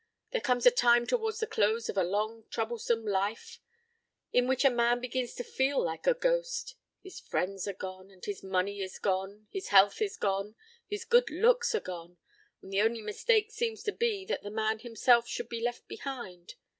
There comes a time towards the close of a long troublesome life in which a man begins to feel like a ghost. His friends are gone, and his money is gone, his health is gone, his good looks are gone; and the only mistake seems to be that the man himself should be left behind.